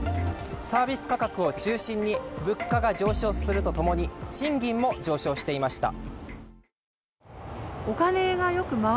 サービス価格を中心に物価が上昇するとともに賃金も上昇していました。